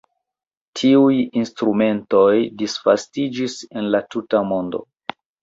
Tiuj instrumentoj disvastiĝis en la tuta mondo.